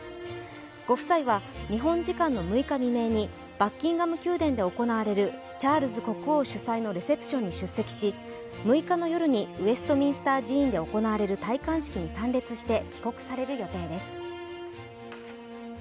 ご夫妻は日本時間の６日未明にバッキンガム宮殿で行われるチャールズ国王主催のレセプションに出席し、６日の夜にウェストミンスター寺院で行われる戴冠式に参列して帰国される予定です。